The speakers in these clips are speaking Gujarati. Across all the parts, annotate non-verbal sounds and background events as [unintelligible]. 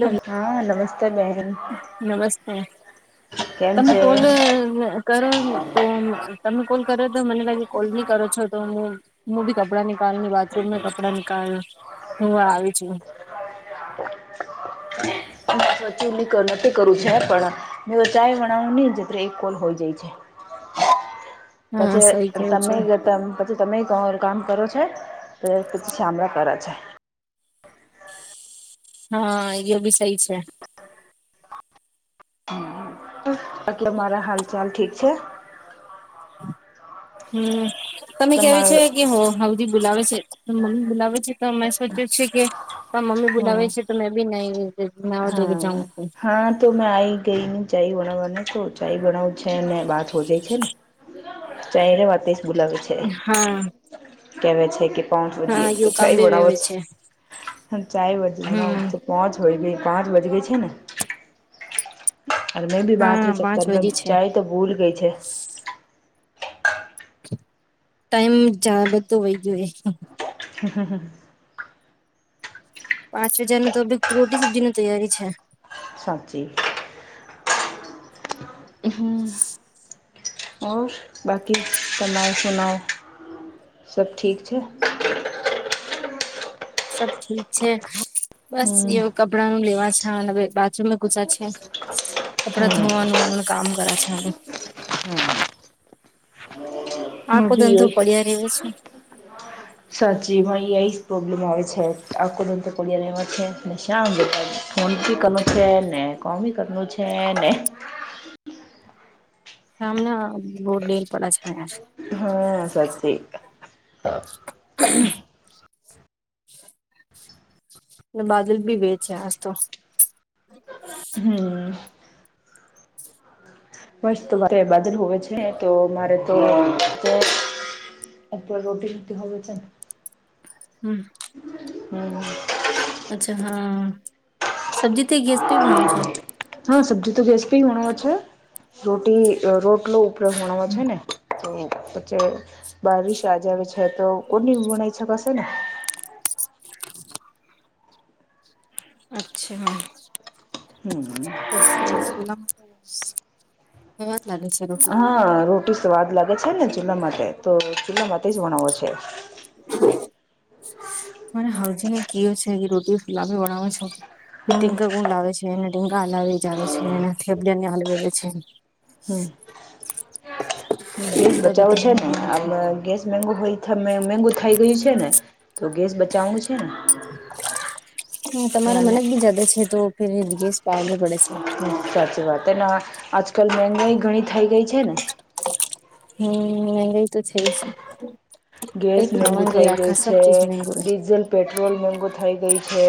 હ હા નમસ્તે બહેન નમસ્તે. કે. તમે કોલ કરો તો તમે કોલ કરો તો મને લાગે કોલ બી કરો છો તો હું હું બી કપડાં નીકાળને બાથરૂમમાં કપડા નીકળ ધોવા આવી છું. સચિ નથી કરું છે પણ જોવ ચાય બનાવું નહી જ એક કોલ હોય જાય છે. હા સહી પછી કેવો છો તમે ત પછી તમે ક કામ કરો છો એટલે પછી શામળા કરે છે. હા એ બી સહી છે. [inaudible] એટલે મારા હાલ ચાલ ઠીક છે. હમ તમે કેવી તમારો છે કે હો બાવજી બોલાવે છે મમ્મી બોલાવે છે. તો મેં સોચ્યો છે કે ત મમ્મી બોલાવે હા છે તો મે બી નહી નાવા ધોવા જાઉં હા હા તો મેં આ આવી ગઈ નને ચાય બણવવાને તો ચાય બણાવ છે અને વાત હો જાય છે ને ચહેરે વાતસ બુલાવ છે. હા. કેવે છે કે પાંચ બજી હા એ તો એવું કામ ચાય બી બનાવો વેવે છે છે ચાય બાજી બનાવ હમ તો [unintelligible] પાંચ બજ ગઈ છે ને મેં ભી બાત ર હા પાંચ ચક્કરમાં વજી છે ચાય તો ભૂલ ગઈ છે. ટાઈમ જાણ બધું વય ગયો હા હા હા. પાંચ હજાર ન તો રોટી સબ્જી ન તૈયારી છે. સાચી બાકી તમે સુનાવો સબ ઠીક છે. સબ ઠીક છે બસ એ હમ કપડા નું લેવા છે અને બાથરૂમમાં ઘૂચ્યા છે. કપડા ધોવાનું એમ કામ કરે છે હવે. હમ. આખો બી ધંધો પડ્યા રર્યો છે. સાચીમાંયા જ પ્રોબ્લેમ આવે છે આખો ગેલેરીમાં છેને શમ વીતાવે ફોન છે ને કોમી કરનું છે ને સામના બહુ ડેર પડા છાયા હા સાચે બાદલ ભી વેચ્યા આજ તો હમ. મસ્ત બાદલ હોવે છે તો મારે તો એકે રોટી શતી હોવે છે. હમ. હમ. અચ્છા હા સબ્જી તે ગેસપી બનાવ છો હા સબ્જી તો ગેસ પે વણ છે રોટી રોટલો ઉપયોગ વણ છે ને. કે પછે બારિશ આજ આવે છે તો કોની વણ ઈચ્છ ક હશે ને અચ્છા. હમ. અચ્છા સુલા વાત લાગે છે. હા રોટી સ્વાદ લાગે છે. ને ચૂલા માટે તો ચૂલા માટે જ બણાવો છે. મ હાઉઝિંગ એ [unintelligible] છે. રોટી ફુલાવીને બનાવો છો. એ હમ ટીંકા ગુડ લાવે છે. એને ટીંકા હલા જ આવે છે. એના થેબડીયાની હલાવે છે. હમ ગેસ તો બી બચાવો છે ધ્યાન ને દેવું છું. આ ગેસ મોંઘો હોય. મોંઘો થઇ ગયું છે. ને તો ગેસ બચાવવાનું છેને હ તમારા મન અને જ બી જદા છે. તોયે ગેસ પારું પડે છે. સાચી વાત એને આજકાલ મંગાઈ ઘણી થઈ ગઈ છેને હમ મગાઈ તો છેજ ગેસ મોંઘુ થઈ ગયું છે. ચીજ મેગો રે ડીઝલ પેટ્રોલ મોંઘો થઈ ગયું છે.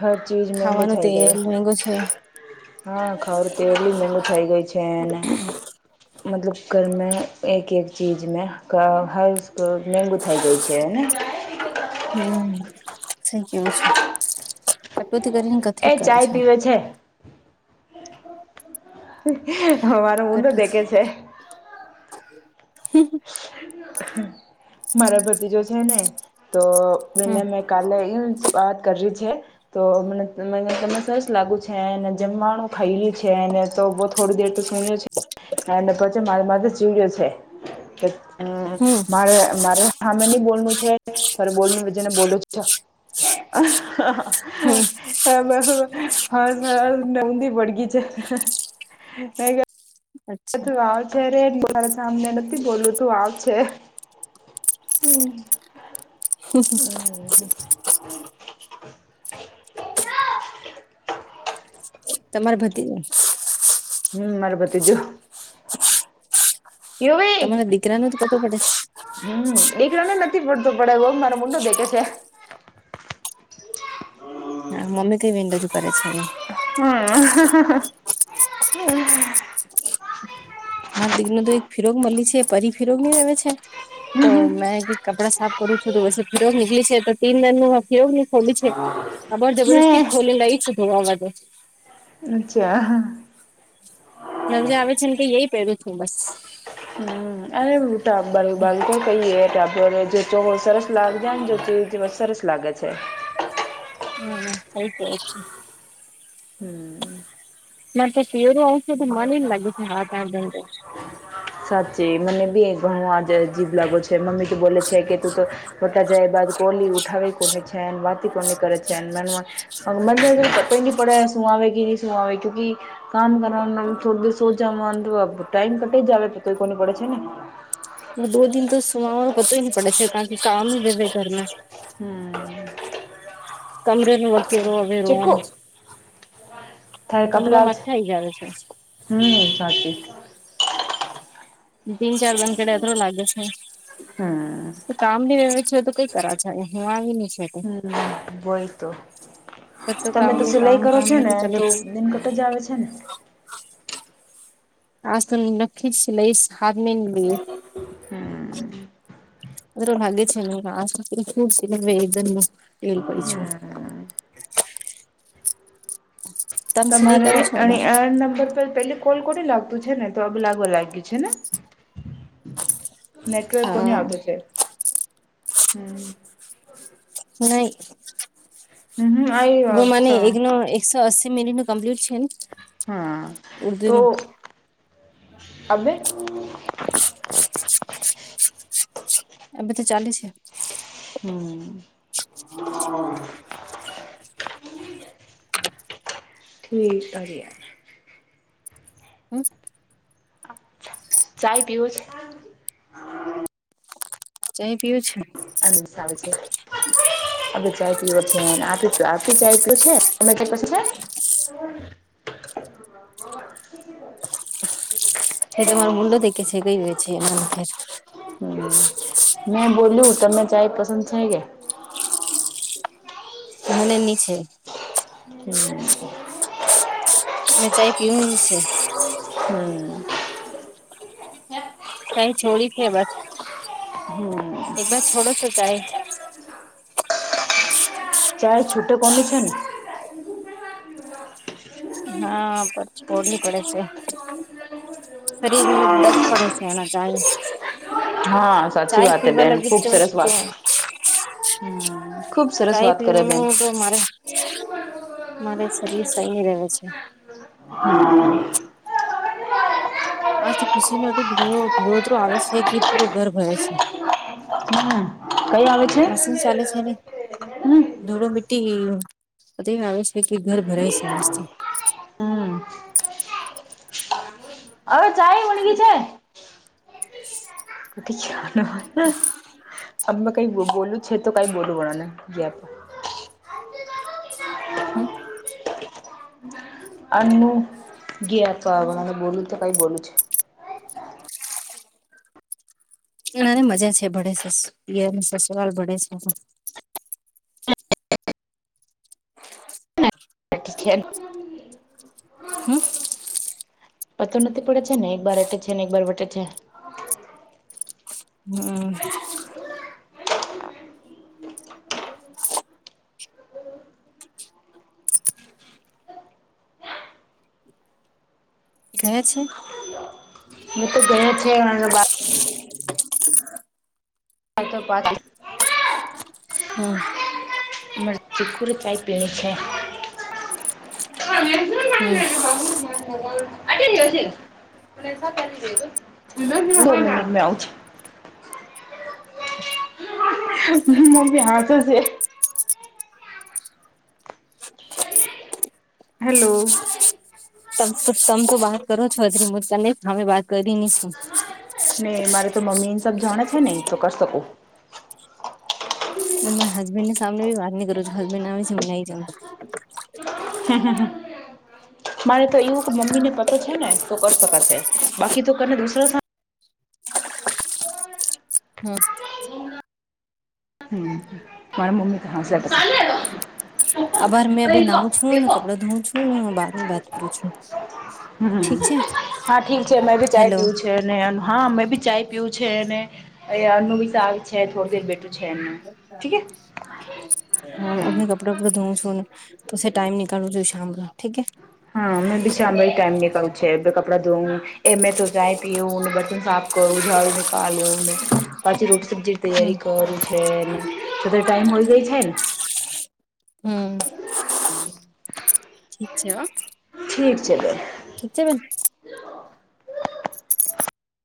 હર ચીજ મોંઘો થઈ ગયો મોંઘો છે. હા ખરું તો એટલી મોંઘુ થઈ ગયું છેને મતલબ ઘરમાં એક એક ચીજમાં હર મોંઘુ થઈ ગયું જ છેને હમ સઈ કેવો છો‌? કટોતી કરીને એ કતરી કરે ચાય છે. પીવે અમારો ઊડો કટોતી દેખે છે. મારા ભતિજો છે ને તો હમ તેને મે કાલે એ વાત કરી છે. તો મને તમને સરસ લાગુ છે જમવાનું ખૈલ છે ને તો બહુ થોડી દેર તો સુણ્યો છે અને પછી મારે માથે ચીવડ્યો છે. હમ મારે મારે હમે નહી બોલનું છે તરે બોલનું રીજે ને બોલ જ છે. હમ હ હ સર ઉદી વળગ છે. મે અચ્છા તું આવ છેે. રેને બોલ સામને નથી બોલું તું આવ છે. હમ્મ હમ હ. તમારે ભત્રીજા હમ મળરબતી જું. તમારા દીકરા ને તો કતું પડે હમ દીકરા ને નથી પડતોડે એ મારો મોટો દેખે છે. હમ્મ હા મમી તે વિન જું કરે છે એમ હમ! મારે દીકરી ને તો એક ફિલમક મળી છે એ પરી ફિરોકની આવેમે છે તો મેં કપડા સાફ કરું છું તો પછી ફિરોગ નીકળી છે તો, તીન દર ન ફિરોગ ખોલી છે. આ બર હે જબરજસ્તી ખોલી લઈ શોધોવા માટે અચ્છા નજા આવે છે ને કે ય પહેરું છું, બસ હ અને હૂં સાફ કરો બા કહીએે ટાને જે ચોખ સરસ લાગ જાય નરસ લાગે છે. હમ આત આત હમ! મત પીરો ઔષધ મનેલ લાગી હશે હાટાડંત સાચી મને બી ઘણો આ જ જજીભ લાગો છે, મમ્મી તો બોલે છે કે તું તો મોટા જાય બાદ કોલી ઉઠાવી કોને છે વાતી કોની કરે છે‌. હ મને પતા ન પડે સું આવે કે ન સું આવે કેકી કામ કરવાનું થોડું દિવ સોામાં ટાઈમ કટે જ આવે તો કોઈ કોને પડે છેને. હ દ દિ તો સુમાઓ પતો ન પડે છે કાર કે કામ રહેવે ઘરમે હમ્મ કમરે ન વેર હવે રવાનું થાય કપલાવ છે, હમ સાચી તીન ચાર દન કડે એથરો લાગે છે. હાય- કામડી વેવે છે, તો કઈ કરા હ આવી છે. તો હ બોઈ તો તમે તો સિલાઈ કરો છો ને તો દિનકટ જ આવે છેને? આજ તો લખી જ સ લઈ હાથ મેઈએ હમ મ લાગે છે, ને આદમું એલ પડી છું. હા તમે સિલાઈ તમારે કરો એ છો અવાર અણી આ નંબર પર પેલી કોલ કોડી લાગતું છને તો આ બ લાગવા લાગ્યું છેને? નેટવર્ક કોને હા આવતું છે. હમ ના હમ હમ હું મને આ એકનો એકસો અસ્સી મિનિટ કમ્લીટ છેને? હમ તો અભે એવે તો ચાલી છે. હમ્મ--હા ઠીક આ જી હ ચાય પીઉ છે? ચં પીયું છે? અનસ આવે છે. આપે ચાય પીયો છે, આપી આપી ચાય પીું છે, એ પછી છે. ભ તમારો મુંડો દેખકે છે, ગયો હો છે એમનાર છે હમ મેં બોલ્યું તમને ચાય પસંદ છે, કે? મને ની છેે. હમ્મ મે ચાય પીવ છે. હમ્મ કહે છોડી છે, બસ હમ એ બસ છોડો છો ચાય ચારે છૂટે કોની છે, ને હા પછ ફોડલી પડે છે. શરીર ન ડગ પડે છે. એના જાય હા સાચી ચાય પીવા લાગી ત શ હમબ ચાય પીવાનું તો મારે મારે શરીર સહી ન રહે છે. હમ હ તો ખુશી નો એટું ધો ધૂણોત આવે છે, કે પૂરો ગર્ભવે છે. હમ કઈ આવે છે મશીન ચાલે છે. હમ ધોડો મિટ્ટી એ આવે છે, કે ઘર ભરાય છે આજ તો હમ સાાય વણગી છે. અમે કઈ બોલું છે તો કઈ બોલુંને ગ હમ આ ન ગયા તો હ મને બોલું તો કઈ બોલું છે. ને મજા છે ભડે સરસ ને સરસ સવાલ ભડે છે. પા [unintelligible] કિસ્થન હમ પતો નથી પડે છે ને એક બાર એટે છે ને એક બાર વટે છે. હમ્મ ગયા છે. તો ગ છે હાલ પા હમ મરચીખુડ ચાય પીય છે હમ [unintelligible] દો મિનિટ મે આવું છું. મું પહારસ જે [unintelligible] હેલો તમે તો વાત કરો છોત્રી મુને હમે વાત કરી નહી શું નને મારે તો મમ્મી એને સબ જાણે છે નહી તો કરી શકો. બ મારા હસબેન્ ને સામે વાત નહી કરું છું હસબેન્ડ આવે છે હ નહી જાઉશુ. હા હા હા મારે તો એવું કે મમ્મી ને પતો છે ને તો કરી શકા છે બાકી તો કરીને દુસરો હમ હમ મારા મમ્મી તો હાસ આભાર મેં નાઉં છું ને કપડા ધોઉં છું ને બાદ બાત કરું છું. હમ ઠીક છે હા ઠીક છે મેં ભી ચાઈ હેલો પીવું છે. હા મે બી ચાય પીયું છેને અન્નું બી છે થોડી દર બેઠું છે એનું ઠીક હે. હા અને હમ ક કપડ ધોવન ત ટાઈમ નની કાો જો શામ ન ઠીકે હા મેં બી શામમાં ટાઈમ નીકળું છે કપડા ધોવ એ મેં તો જાય પીય બર્તન સા કરું ઝાડું નનીકાલોને પાછી રોટી સબ્જી હમ તૈયારી કર છેને છધર ટાઈમ હોય ગઈ છે ને હમ હમ ઠીક છે હ ઠીક છે બેન ઠીક છે બે [unintelligible]